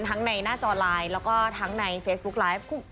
ในหน้าจอไลน์แล้วก็ทั้งในเฟซบุ๊กไลฟ์